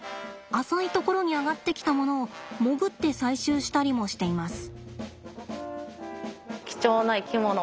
浅い所に上がってきたものを潜って採集したりもしています。